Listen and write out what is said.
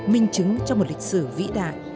minh chứng cho một lịch sử vĩ đại